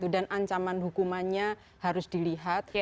dan ancaman hukumannya harus dilihat